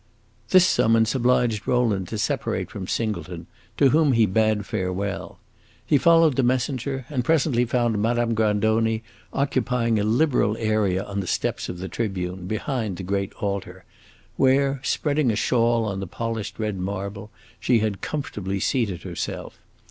This summons obliged Rowland to separate from Singleton, to whom he bade farewell. He followed the messenger, and presently found Madame Grandoni occupying a liberal area on the steps of the tribune, behind the great altar, where, spreading a shawl on the polished red marble, she had comfortably seated herself.